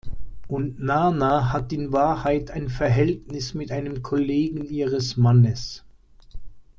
Und Nana hat in Wahrheit ein Verhältnis mit einem Kollegen ihres Mannes.